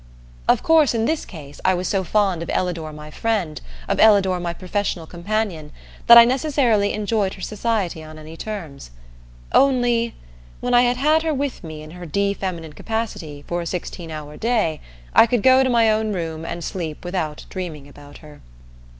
Of course, in this case, I was so fond of Ellador my friend, of Ellador my professional companion, that I necessarily enjoyed her society on any terms. Only when I had had her with me in her de feminine capacity for a sixteen hour day, I could go to my own room and sleep without dreaming about her.